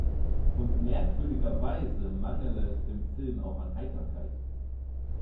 Und merkwürdigerweise mangele es dem Film auch an Heiterkeit.